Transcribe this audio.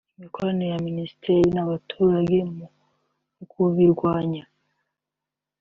imikoranire ya Minisiteri n’abaturage mu kubirwanya